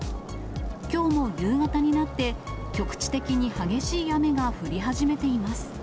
きょうも夕方になって、局地的に激しい雨が降り始めています。